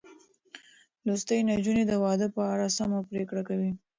لوستې نجونې د واده په اړه سمه پرېکړه کوي.